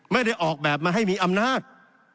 ไม่ได้ออกแบบมาให้มีอำนาจ